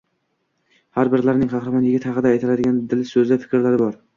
Har birlarining qahramon yigit haqida aytadigan dil so`zi, fikrlari bor